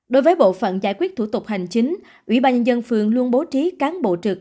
đối với bộ phận giải quyết thủ tục hành chính ubnd phường luôn bố trí cán bộ trực